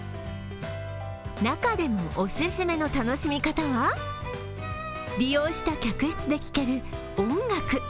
中でも、おすすめの楽しみ方は利用した客室で聴ける音楽。